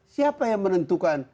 siapa yang menentukan